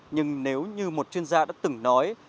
nhưng nếu như một chuyên gia đã từng nói